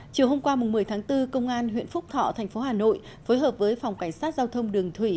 chiều hôm qua một mươi tháng bốn công an huyện phúc thọ thành phố hà nội phối hợp với phòng cảnh sát giao thông đường thủy